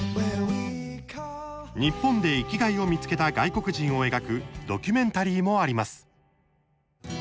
日本で生きがいを見つけた外国人を描くドキュメンタリーもあります。